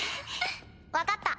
分かった。